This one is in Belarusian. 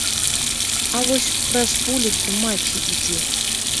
А вось праз вуліцу маці ідзе.